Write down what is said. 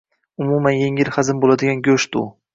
Umuman yengil hazm boʻladigan goʻsht u